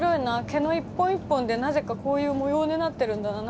毛の一本一本でなぜかこういう模様になってるんだな。